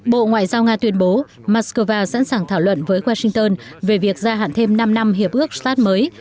bộ ngoại giao nga tuyên bố moscow sẵn sàng thảo luận với washington về việc gia hạn thêm năm năm hiệp ước start mới